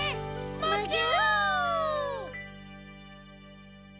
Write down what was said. むぎゅ！